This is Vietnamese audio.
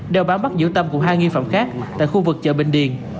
đeo bám bắt giữ tâm cùng hai nghi phạm khác tại khu vực chợ bình điền